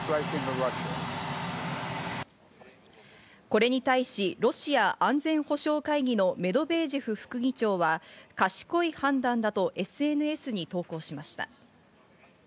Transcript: これに対し、ロシア安全保障会議のメドベージェフ副議長は賢い判断だとＳＮＳに投稿しました。